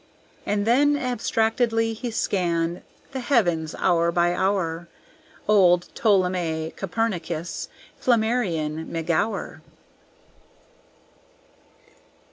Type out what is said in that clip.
And then abstractedly he scanned The heavens, hour by hour, Old Ptolemy Copernicus Flammarion McGower.